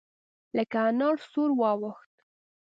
لکه انار سور واوښت.